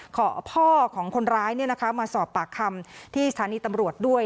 ขอพ่อของคนร้ายมาสอบปากคำที่สถานีตำรวจด้วย